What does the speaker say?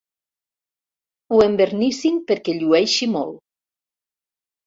Ho envernissin perquè llueixi molt.